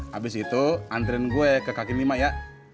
habis itu anterin gue ke kakin lima ya